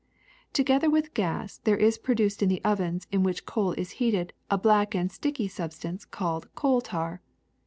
^* Together with gas there is produced in the ovens in which coal is heated a black and sticky substance called coal tar.